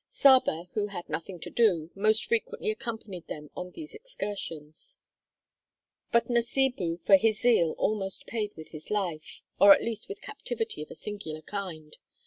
Saba, who had nothing to do, most frequently accompanied them on these excursions. But Nasibu, for his zeal, almost paid with his life, or at least with captivity of a singular kind.